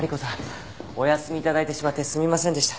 お休み頂いてしまってすみませんでした。